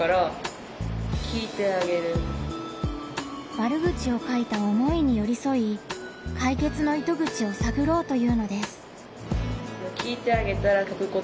悪口を書いた思いによりそい解決の糸口を探ろうというのです。